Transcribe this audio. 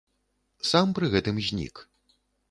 Сам пры гэтым знік.